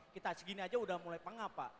kita segini aja udah mulai pengapa